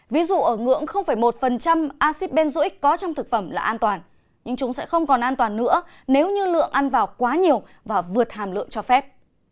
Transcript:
ví dụ ở ngưỡng một acid benzoic có trong thực phẩm là an toàn nhưng chúng sẽ không còn an toàn nữa nếu như lượng ăn vào quá nhiều và vượt hàm lượng cho phép